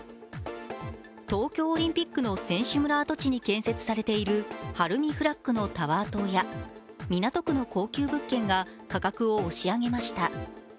東京オリンピックの選手村跡地に建設されているＨＡＲＵＭＩＦＬＡＧのタワー棟や港区の高級物件が価格を押し上げました。